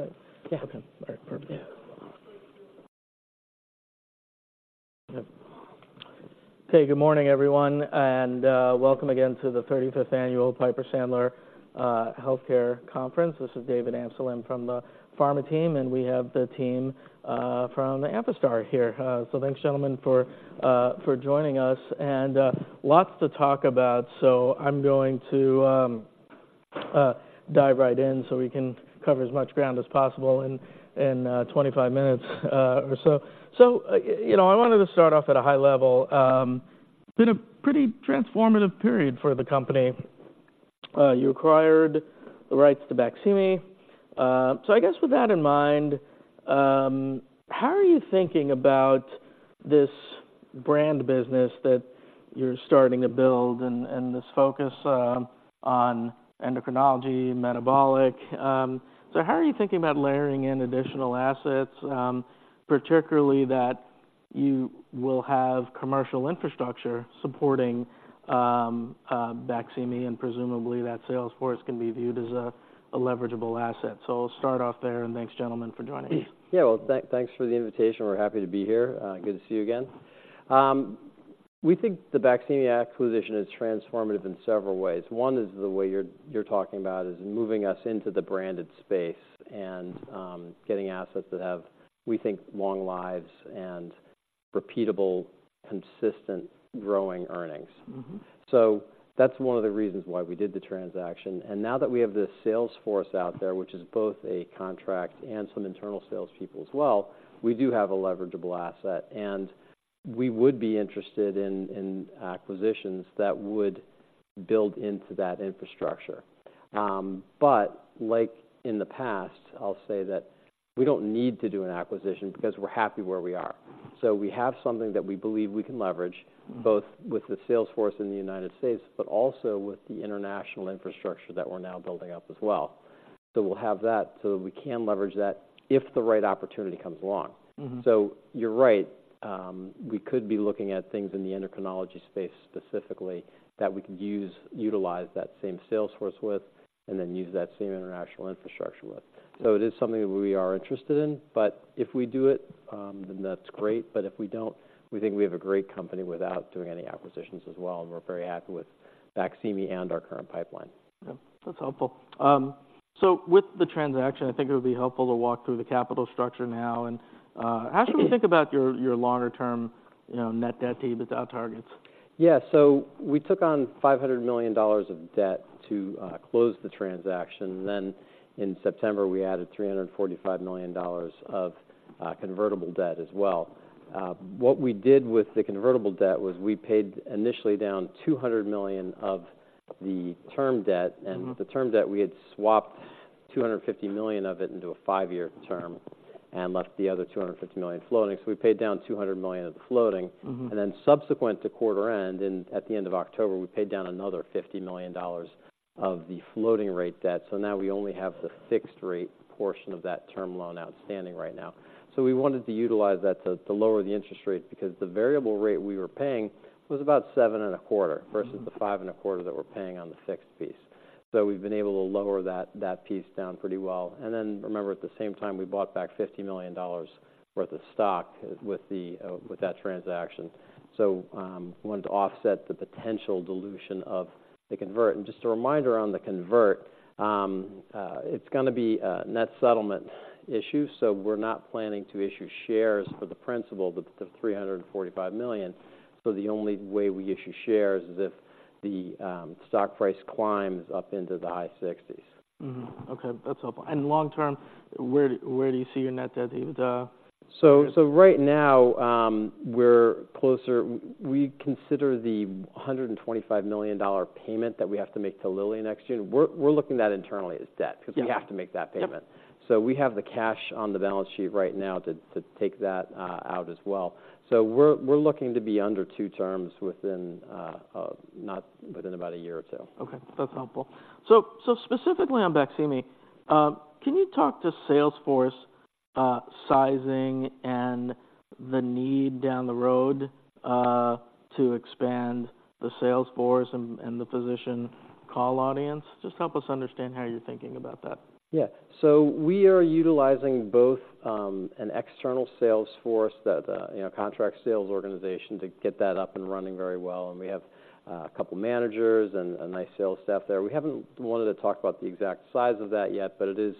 Right. Yeah. Okay. All right, perfect. Yeah. Hey, good morning, everyone, and welcome again to the 35th Annual Piper Sandler Healthcare Conference. This is David Amsellem from the pharma team, and we have the team from Amphastar here. So thanks, gentlemen, for joining us. And lots to talk about, so I'm going to dive right in so we can cover as much ground as possible in 25 minutes or so. So you know, I wanted to start off at a high level. Been a pretty transformative period for the company. You acquired the rights to Baqsimi. So I guess with that in mind, how are you thinking about this brand business that you're starting to build and this focus on endocrinology, metabolic? So how are you thinking about layering in additional assets, particularly that you will have commercial infrastructure supporting Baqsimi, and presumably that sales force can be viewed as a leverageable asset? So I'll start off there, and thanks, gentlemen, for joining us. Yeah, well, thanks for the invitation. We're happy to be here. Good to see you again. We think the Baqsimi acquisition is transformative in several ways. One is the way you're talking about, is moving us into the branded space and, getting assets that have, we think, long lives and repeatable, consistent, growing earnings. So that's one of the reasons why we did the transaction. And now that we have the sales force out there, which is both a contract and some internal salespeople as well, we do have a leverageable asset. And we would be interested in acquisitions that would build into that infrastructure. But like in the past, I'll say that we don't need to do an acquisition because we're happy where we are. So we have something that we believe we can leverage both with the sales force in the United States, but also with the international infrastructure that we're now building up as well. So we'll have that, so we can leverage that if the right opportunity comes along. So you're right. We could be looking at things in the endocrinology space, specifically, that we could utilize that same sales force with, and then use that same international infrastructure with. So it is something that we are interested in, but if we do it, then that's great. But if we don't, we think we have a great company without doing any acquisitions as well, and we're very happy with Baqsimi and our current pipeline. Yeah, that's helpful. So with the transaction, I think it would be helpful to walk through the capital structure now and how should we think about your longer term, you know, net debt-to-EBITDA targets? Yeah. So we took on $500 million of debt to close the transaction. Then in September, we added $345 million of convertible debt as well. What we did with the convertible debt was we paid initially down $200 million of the term debt and the term debt, we had swapped $250 million of it into a five-year term and left the other $250 million floating. So we paid down $200 million of the floating. Then subsequent to quarter end, and at the end of October, we paid down another $50 million of the floating rate debt. So now we only have the fixed rate portion of that term loan outstanding right now. So we wanted to utilize that to lower the interest rate, because the variable rate we were paying was about 7.25% versus the 5.25% that we're paying on the fixed piece. So we've been able to lower that, that piece down pretty well. And then remember, at the same time, we bought back $50 million worth of stock with the, with that transaction. So, we wanted to offset the potential dilution of the convert. And just a reminder on the convert, it's gonna be a net settlement issue, so we're not planning to issue shares for the principal, but the $345 million. So the only way we issue shares is if the, stock price climbs up into the high 60s. Okay, that's helpful. And long-term, where do you see your net debt-to-EBITDA? Right now, we consider the $125 million payment that we have to make to Lilly next year. We're looking at that internally as debt because we have to make that payment. So we have the cash on the balance sheet right now to take that out as well. So we're looking to be under two terms, not within about a year or two. Okay. That's helpful. So, specifically on Baqsimi, can you talk to sales force sizing and the need down the road to expand the sales force and the physician call audience? Just help us understand how you're thinking about that. Yeah. So we are utilizing both, an external sales force that, you know, contract sales organization, to get that up and running very well, and we have, a couple managers and a nice sales staff there. We haven't wanted to talk about the exact size of that yet, but it is,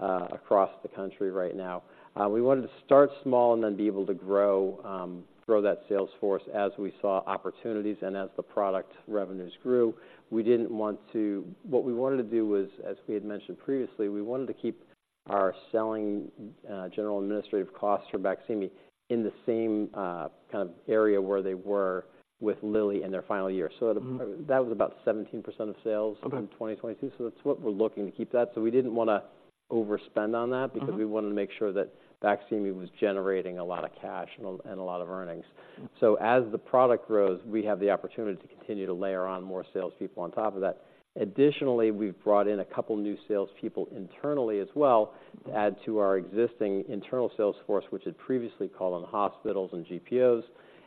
across the country right now. We wanted to start small and then be able to grow, grow that sales force as we saw opportunities and as the product revenues grew. We didn't want to. What we wanted to do was, as we had mentioned previously, we wanted to keep our selling, general administrative costs for Baqsimi in the same, kind of area where they were with Lilly in their final year. That was about 17% of sales in 2022. So that's what we're looking to keep that. So we didn't wanna overspend on that because we wanted to make sure that Baqsimi was generating a lot of cash and a lot of earnings. So as the product grows, we have the opportunity to continue to layer on more salespeople on top of that. Additionally, we've brought in a couple new salespeople internally as well, to add to our existing internal sales force, which had previously called on hospitals and GPOs,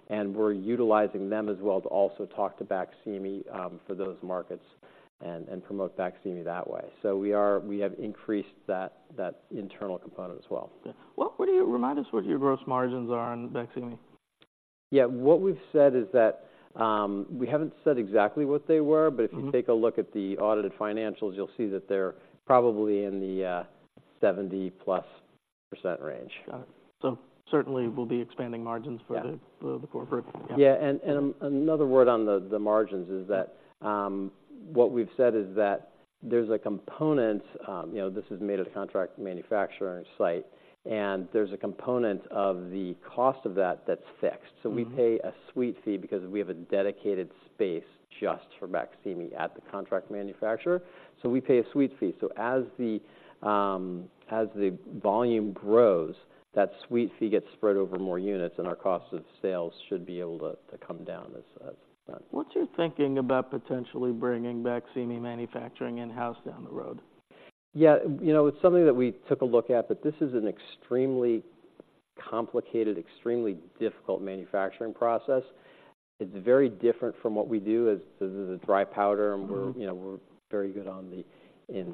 and we're utilizing them as well to also talk to Baqsimi for those markets and promote Baqsimi that way. So we have increased that internal component as well. Yeah. Well, what do you... Remind us what your gross margins are on Baqsimi? Yeah, what we've said is that, we haven't said exactly what they were. But if you take a look at the audited financials, you'll see that they're probably in the 70%+ range. Got it. So certainly we'll be expanding margins for the corporate. Yeah. Yeah, another word on the margins is that, what we've said is that there's a component, you know, this is made at a contract manufacturing site, and there's a component of the cost of that that's fixed. So we pay a suite fee because we have a dedicated space just for Baqsimi at the contract manufacturer. So we pay a suite fee. So as the volume grows, that suite fee gets spread over more units, and our cost of sales should be able to come down as well. What's your thinking about potentially bringing Baqsimi manufacturing in-house down the road? Yeah, you know, it's something that we took a look at, but this is an extremely complicated, extremely difficult manufacturing process. It's very different from what we do as this is a dry powder. We're, you know, very good in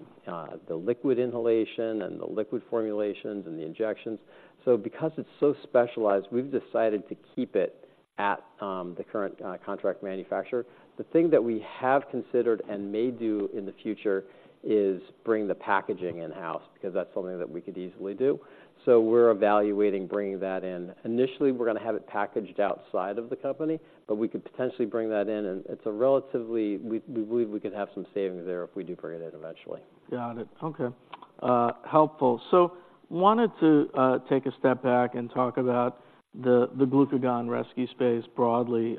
the liquid inhalation and the liquid formulations and the injections. So because it's so specialized, we've decided to keep it at the current contract manufacturer. The thing that we have considered and may do in the future is bring the packaging in-house, because that's something that we could easily do. So we're evaluating bringing that in. Initially, we're gonna have it packaged outside of the company, but we could potentially bring that in, and it's a relatively. We believe we could have some savings there if we do bring it in eventually. Got it. Okay, helpful. So wanted to take a step back and talk about the glucagon rescue space broadly.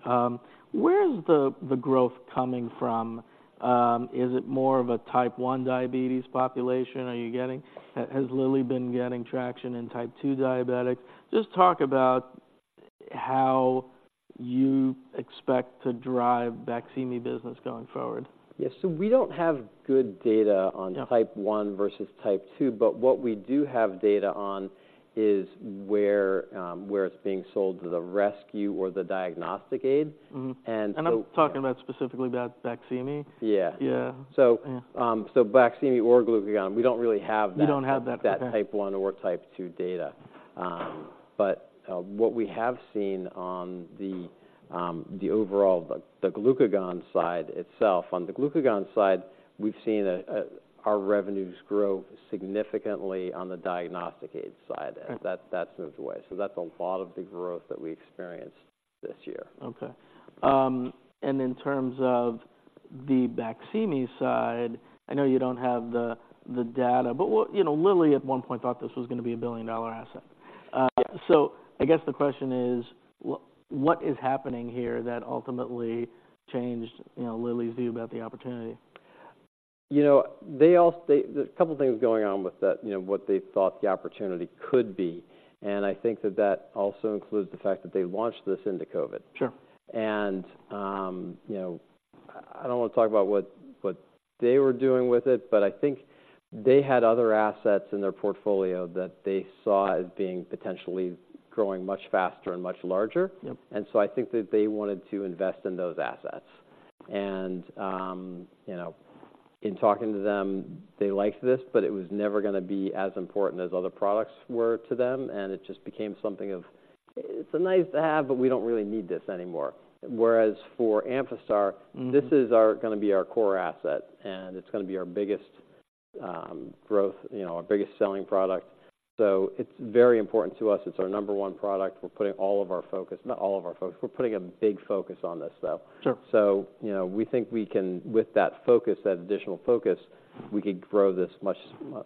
Where is the growth coming from? Is it more of a Type 1 diabetes population are you getting? Has Lilly been getting traction in Type 2 diabetics? Just talk about how you expect to drive Baqsimi business going forward. Yes. So we don't have good data on Type 1 versus Type 2, but what we do have data on is where it's being sold to the rescue or the diagnostic aid. And so- I'm talking specifically about Baqsimi. Yeah. So, Baqsimi or glucagon, we don't really have that— You don't have that, okay. —that Type 1 or Type 2 data. But what we have seen on the overall, the glucagon side itself... On the glucagon side, we've seen our revenues grow significantly on the diagnostic aid side. That, that's moved away. That's a lot of the growth that we experienced this year. Okay. And in terms of the Baqsimi side, I know you don't have the data, but what—you know, Lilly at one point thought this was gonna be a billion-dollar asset. So, I guess the question is, what is happening here that ultimately changed, you know, Lilly's view about the opportunity? You know, there's a couple things going on with that, you know, what they thought the opportunity could be, and I think that that also includes the fact that they launched this into COVID. You know, I don't want to talk about what, what they were doing with it, but I think they had other assets in their portfolio that they saw as being potentially growing much faster and much larger. And so I think that they wanted to invest in those assets. And, you know, in talking to them, they liked this, but it was never gonna be as important as other products were to them, and it just became something of, "It's a nice to have, but we don't really need this anymore." Whereas for Amphastar, this is our, gonna be our core asset, and it's gonna be our biggest growth, you know, our biggest selling product. So it's very important to us. It's our number one product. We're putting all of our focus, not all of our focus, we're putting a big focus on this, though. Sure. So, you know, we think we can, with that focus, that additional focus, we could grow this much,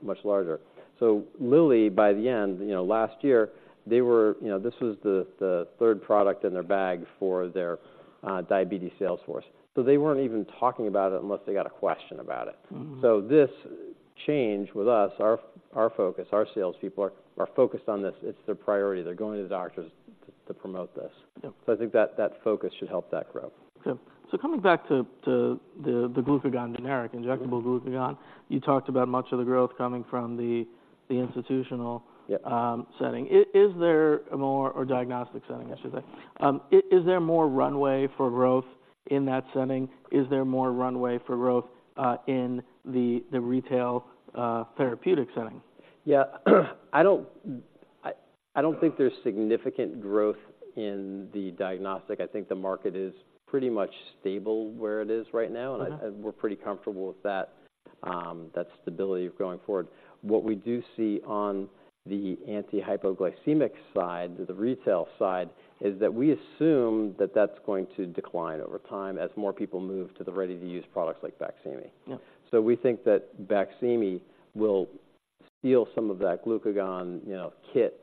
much larger. So Lilly, by the end, you know, last year, they were... You know, this was the, the third product in their bag for their diabetes sales force. So they weren't even talking about it unless they got a question about it. So this change with us, our focus, our salespeople are focused on this. It's their priority. They're going to the doctors to promote this. I think that focus should help that growth. Okay. So coming back to the glucagon generic, injectable glucagon, you talked about much of the growth coming from the institutional setting. Is there more... or diagnostic setting, I should say. Is there more runway for growth in that setting? Is there more runway for growth in the retail therapeutic setting? Yeah. I don't think there's significant growth in the diagnostic. I think the market is pretty much stable where it is right now. We're pretty comfortable with that, that stability going forward. What we do see on the anti-hypoglycemic side, the retail side, is that we assume that that's going to decline over time as more people move to the ready-to-use products like Baqsimi. So we think that Baqsimi will steal some of that glucagon, you know, kit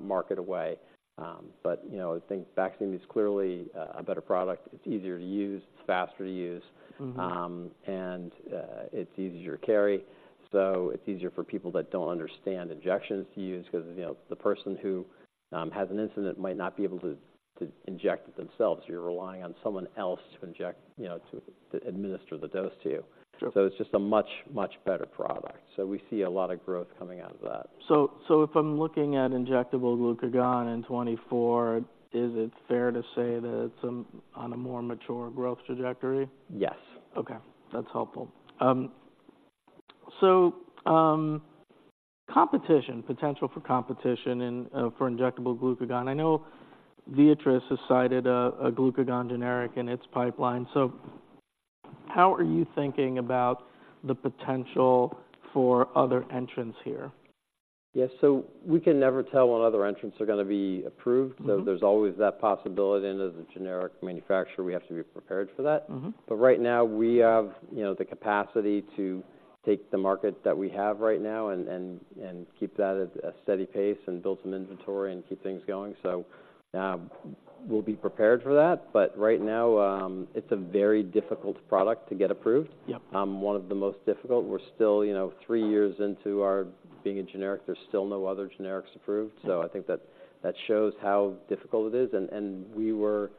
market away. But, you know, I think Baqsimi is clearly a better product. It's easier to use, it's faster to use. It's easier to carry, so it's easier for people that don't understand injections to use because, you know, the person who has an incident might not be able to inject it themselves. You're relying on someone else to inject, you know, to administer the dose to you. So it's just a much, much better product. So we see a lot of growth coming out of that. So, if I'm looking at injectable glucagon in 2024, is it fair to say that it's on a more mature growth trajectory? Yes. Okay, that's helpful. So, competition, potential for competition in, for injectable glucagon. I know Viatris has cited a, a glucagon generic in its pipeline. So how are you thinking about the potential for other entrants here? Yeah, so we can never tell when other entrants are gonna be approved. There's always that possibility, and as a generic manufacturer, we have to be prepared for that. But right now, we have, you know, the capacity to take the market that we have right now and keep that at a steady pace and build some inventory and keep things going. So, we'll be prepared for that, but right now, it's a very difficult product to get approved. Yep. One of the most difficult. We're still, you know, three years into our being a generic. There's still no other generics approved, so I think that that shows how difficult it is. We were.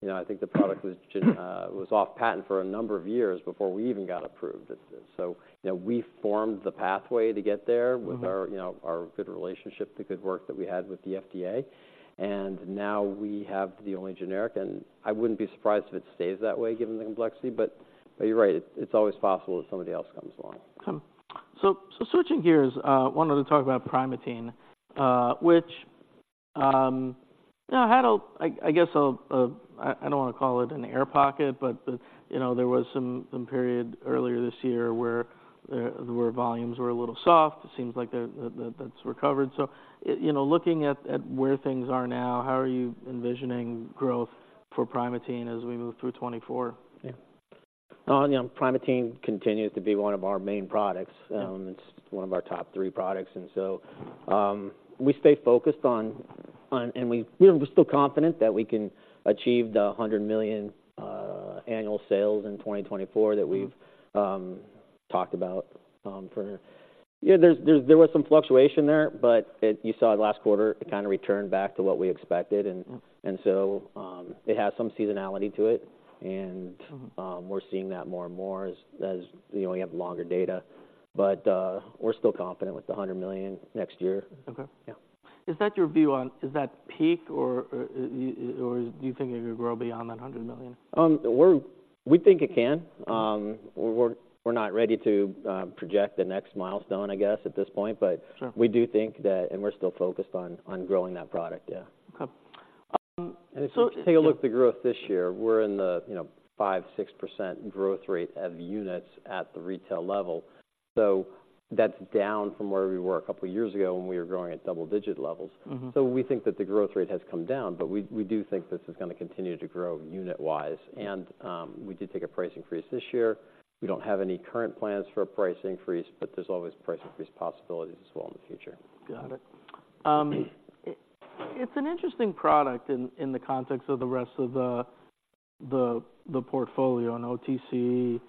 You know, I think the product was generic, was off patent for a number of years before we even got approved. It's so... You know, we formed the pathway to get there with our, you know, our good relationship, the good work that we had with the FDA, and now we have the only generic, and I wouldn't be surprised if it stays that way, given the complexity. But, you're right, it's always possible that somebody else comes along. So, switching gears, wanted to talk about Primatene, which, you know, had a, I guess a, I don't wanna call it an air pocket, but, you know, there was some period earlier this year where volumes were a little soft. It seems like that's recovered. So, you know, looking at where things are now, how are you envisioning growth for Primatene as we move through 2024? Yeah. You know, Primatene continues to be one of our main products. It's one of our top three products. And so, we stay focused on. And we're still confident that we can achieve the $100 million annual sales in 2024 that we've talked about. Yeah, there was some fluctuation there, but it, you saw it last quarter, it kinda returned back to what we expected, and so, it has some seasonality to it, and we're seeing that more and more as we only have longer data. But, we're still confident with the $100 million next year. Okay. Yeah. Is that your view on, is that peak or, or do you think it could grow beyond that $100 million? We think it can. We're not ready to project the next milestone, I guess, at this point, but we do think that, and we're still focused on growing that product. Yeah. Okay. So- If you take a look at the growth this year, we're in the, you know, 5%-6% growth rate of units at the retail level. So that's down from where we were a couple of years ago when we were growing at double-digit levels. So we think that the growth rate has come down, but we do think this is gonna continue to grow unit-wise. We did take a price increase this year. We don't have any current plans for a price increase, but there's always price increase possibilities as well in the future. Got it. It's an interesting product in the context of the rest of the portfolio, an OTC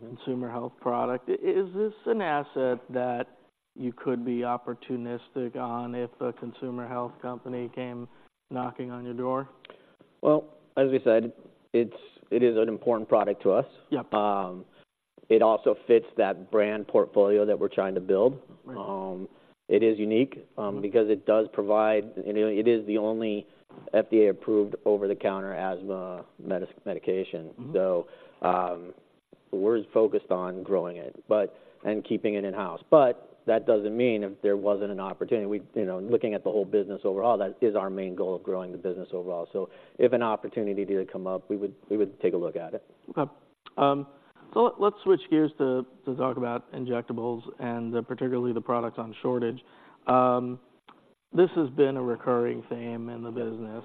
consumer health product. Is this an asset that you could be opportunistic on if a consumer health company came knocking on your door? Well, as we said, it's, it is an important product to us. Yep. It also fits that brand portfolio that we're trying to build. It is unique, because it does provide, and it, it is the only FDA-approved over-the-counter asthma medication. So, we're focused on growing it, but... keeping it in-house. But that doesn't mean if there wasn't an opportunity, we, you know, looking at the whole business overall, that is our main goal of growing the business overall. So if an opportunity did come up, we would take a look at it. Okay. So let's switch gears to talk about injectables and particularly the products on shortage. This has been a recurring theme in the business.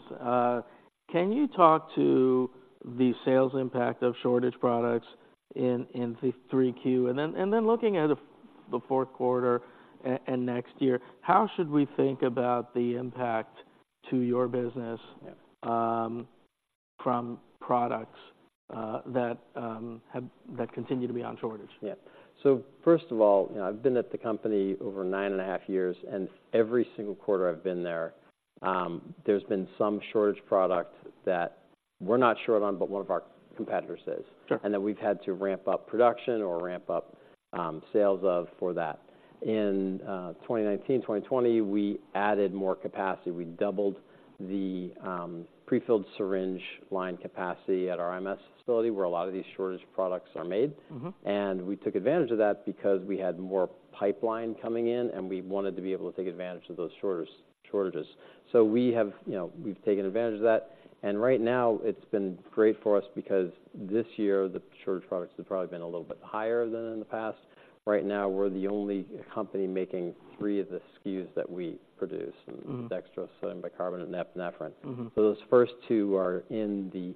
Can you talk to the sales impact of shortage products in 3Q? And then looking at the fourth quarter and next year, how should we think about the impact to your business from products that continue to be on shortage? Yeah. So first of all, you know, I've been at the company over 9.5 years, and every single quarter I've been there, there's been some shortage product that we're not short on, but one of our competitors is. Sure. And that we've had to ramp up production or ramp up, sales of for that. In 2019, 2020, we added more capacity. We doubled the prefilled syringe line capacity at our IMS facility, where a lot of these shortage products are made. We took advantage of that because we had more pipeline coming in, and we wanted to be able to take advantage of those shortages. We have, you know, we've taken advantage of that, and right now it's been great for us because this year the shortage products have probably been a little bit higher than in the past. Right now, we're the only company making three of the SKUs that we produce. Dextrose, sodium bicarbonate, and epinephrine. So those first two are in the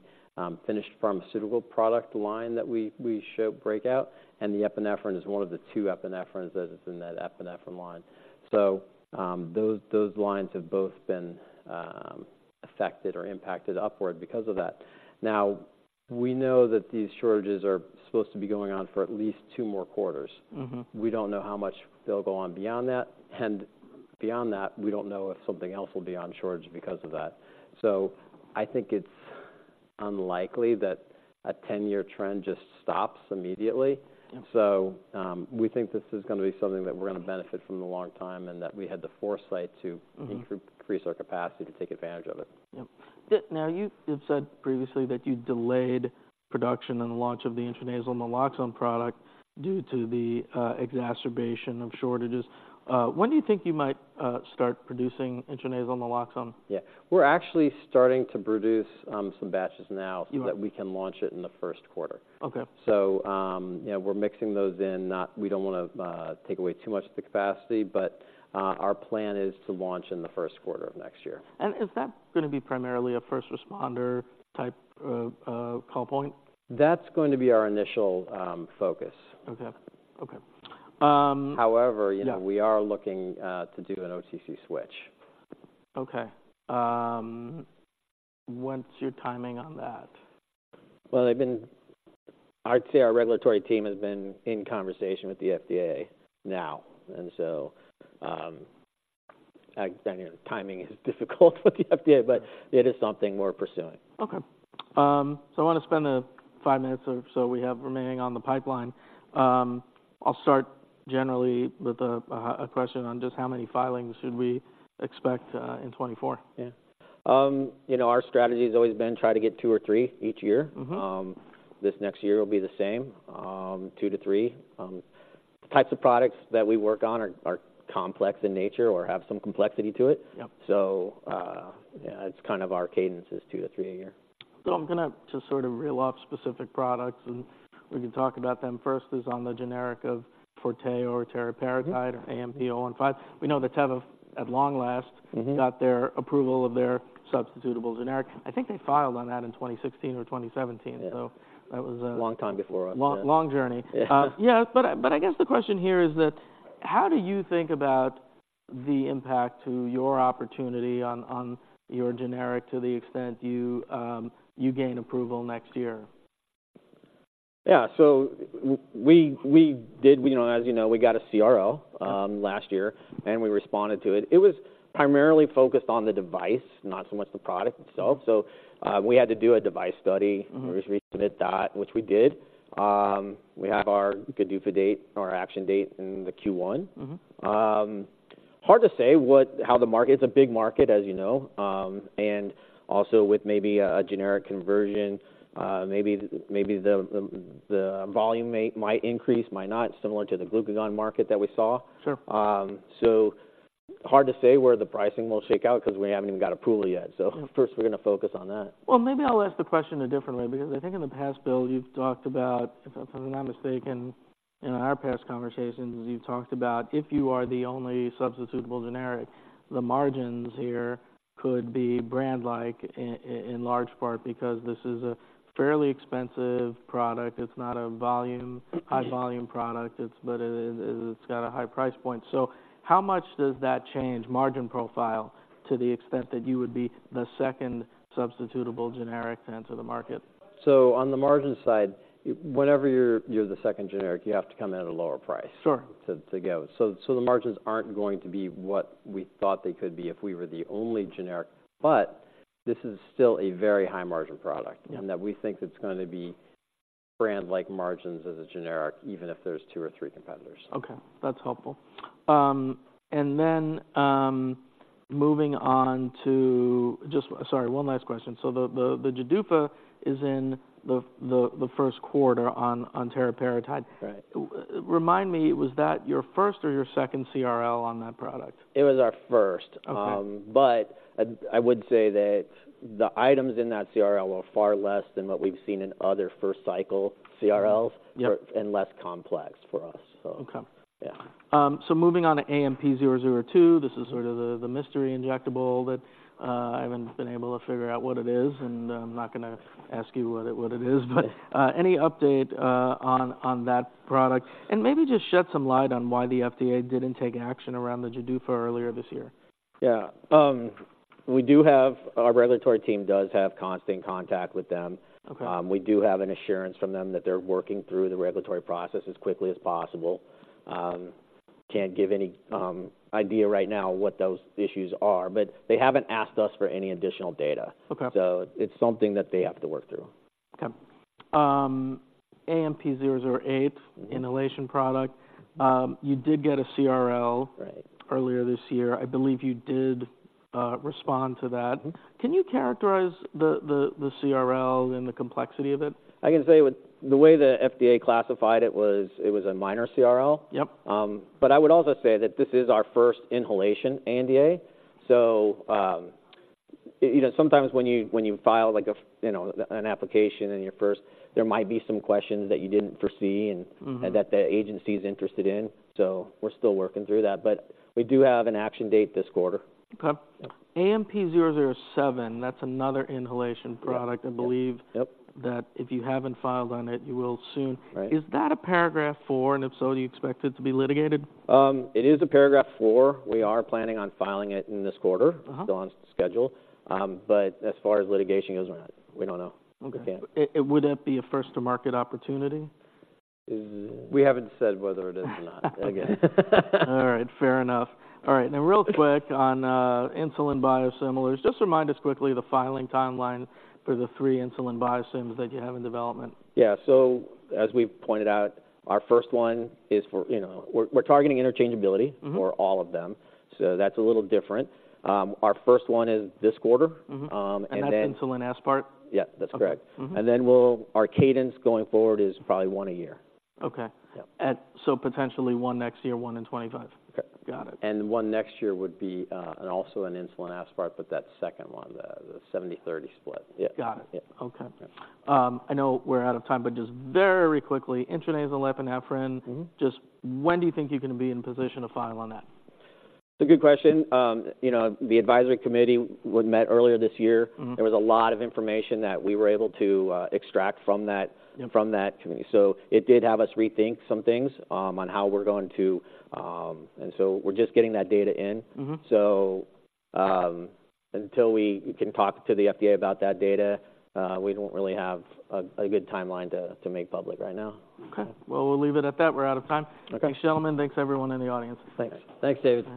finished pharmaceutical product line that we show breakout, and the epinephrine is one of the two epinephrines that is in that epinephrine line. So those lines have both been affected or impacted upward because of that. Now, we know that these shortages are supposed to be going on for at least two more quarters. We don't know how much they'll go on beyond that, and beyond that, we don't know if something else will be on shortage because of that. So I think it's unlikely that a 10-year trend just stops immediately. Yep. So, we think this is gonna be something that we're gonna benefit from a long time, and that we had the foresight to increase our capacity to take advantage of it. Yep. Now, you have said previously that you delayed production and the launch of the intranasal naloxone product due to the exacerbation of shortages. When do you think you might start producing intranasal naloxone? Yeah. We're actually starting to produce some batches now so that we can launch it in the first quarter. Okay. Yeah, we're mixing those in. We don't wanna take away too much of the capacity, but our plan is to launch in the first quarter of next year. Is that gonna be primarily a first responder-type call point? That's going to be our initial focus. Okay. Okay. However, you know, we are looking to do an OTC switch. Okay. What's your timing on that? Well, they've been... I'd say our regulatory team has been in conversation with the FDA now, and so, then timing is difficult with the FDA, but it is something we're pursuing. Okay. So I wanna spend the five minutes or so we have remaining on the pipeline. I'll start generally with a question on just how many filings should we expect in 2024? Yeah. You know, our strategy has always been try to get two or three each year. This next year will be the same, two to three. Types of products that we work on are complex in nature or have some complexity to it. Yeah, it's kind of our cadence is two to three a year. So I'm gonna just sort of reel off specific products, and we can talk about them. First is on the generic of Forteo or teriparatide or AMP-015. We know that Teva, at long last got their approval of their substitutable generic. I think they filed on that in 2016 or 2017. So that was a- Long time before us. Long, long journey. Yeah. Yeah, but I guess the question here is that: how do you think about the impact to your opportunity on your generic, to the extent you gain approval next year? Yeah. So we did. You know, as you know, we got a CRL last year, and we responded to it. It was primarily focused on the device, not so much the product itself, so we had to do a device study. We just resubmit that, which we did. We have our GDUFA date, our action date in the Q1. Hard to say what, how the market. It's a big market, as you know, and also with maybe a generic conversion. Maybe the volume might increase, might not, similar to the glucagon market that we saw. So hard to say where the pricing will shake out 'cause we haven't even got approval yet. First, we're gonna focus on that. Well, maybe I'll ask the question a different way, because I think in the past, Bill, you've talked about, if I'm not mistaken, in our past conversations, you've talked about if you are the only substitutable generic, the margins here could be brand-like, in large part because this is a fairly expensive product. It's not a volume, high-volume product, but it's got a high price point. So how much does that change margin profile to the extent that you would be the second substitutable generic to enter the market? So on the margin side, whenever you're the second generic, you have to come in at a lower price to go. So the margins aren't going to be what we thought they could be if we were the only generic, but this is still a very high-margin product. And that we think it's gonna be brand-like margins as a generic, even if there's two or three competitors. Okay, that's helpful. And then, moving on to... Just, sorry, one last question. So the GDUFA is in the first quarter on teriparatide. Right. Remind me, was that your first or your second CRL on that product? It was our first. But I would say that the items in that CRL were far less than what we've seen in other first cycle CRLs or, and less complex for us, so. Okay. Yeah. So moving on to AMP-002, this is sort of the mystery injectable that I haven't been able to figure out what it is, and I'm not gonna ask you what it is. But any update on that product? And maybe just shed some light on why the FDA didn't take action around the GDUFA earlier this year. Yeah. We do have. Our regulatory team does have constant contact with them. We do have an assurance from them that they're working through the regulatory process as quickly as possible. Can't give any idea right now what those issues are, but they haven't asked us for any additional data. It's something that they have to work through. Okay. AMP-008, inhalation product, you did get a CRL earlier this year. I believe you did, respond to that. Can you characterize the CRL and the complexity of it? I can say with the way the FDA classified it was, it was a minor CRL. But I would also say that this is our first inhalation NDA. So, you know, sometimes when you, when you file, like a, you know, an application and you're first, there might be some questions that you didn't foresee and that the agency is interested in, so we're still working through that. But we do have an action date this quarter. Okay. Yeah. AMP-007, that's another inhalation product. I believe that if you haven't filed on it, you will soon. Right. Is that a Paragraph IV, and if so, do you expect it to be litigated? It is a Paragraph IV. We are planning on filing it in this quarter still on schedule. But as far as litigation goes, we're not. We don't know. Okay. We can't. Would it be a first-to-market opportunity? We haven't said whether it is or not. Again... All right, fair enough. All right, now real quick on, insulin biosimilars. Just remind us quickly the filing timeline for the three insulin biosimilars that you have in development. Yeah. So as we've pointed out, our first one is for, you know, we're targeting interchangeability for all of them, so that's a little different. Our first one is this quarter. And then- That's insulin aspart? Yeah, that's correct. Our cadence going forward is probably one a year. Okay. Yeah. So potentially one next year, one in 2025. Yep. Got it. One next year would be, and also an insulin aspart, but that second one, the 70/30 split. Yep. Got it. Yep. Okay. Yeah. I know we're out of time, but just very quickly, intranasal epinephrine. Just when do you think you're gonna be in position to file on that? It's a good question. You know, the advisory committee was met earlier this year. There was a lot of information that we were able to, extract from that committee. So it did have us rethink some things, on how we're going to... And so we're just getting that data in. Until we can talk to the FDA about that data, we don't really have a good timeline to make public right now. Okay. Well, we'll leave it at that. We're out of time. Okay. Thanks, gentlemen. Thanks, everyone in the audience. Thanks. Thanks, David.